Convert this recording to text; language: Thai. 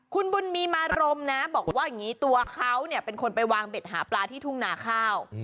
คุณบุญมีมารมนะบอกว่าอย่างนี้ตัวเขาเนี่ยเป็นคนไปวางเบ็ดหาปลาที่ทุ่งนาข้าว